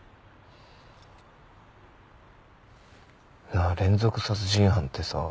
なあ連続殺人犯ってさ。